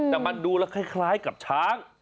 แต่มันดูแล้วคล้ายกับช้าง